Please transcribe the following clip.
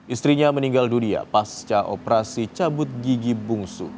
istrinya meninggal dunia pasca operasi cabut gigi bungsu